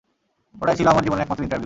ওটাই ছিল আমার জীবনের একমাত্র ইন্টারভিউ।